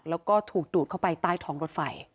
แล้วก็ถูกดูดเข้าไปใต้ท้องรถไฟ